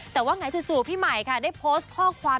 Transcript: แต่ว่าไงจู่พี่ใหม่ค่ะได้โพสต์ข้อความ